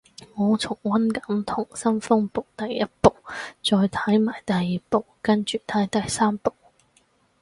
我重溫緊溏心風暴第一部，再睇埋第二部跟住睇第三部